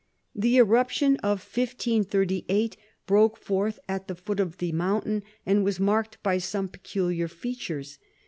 The eruption of 1538 broke forth at the foot of the mountain, and was marked by some peculiar features.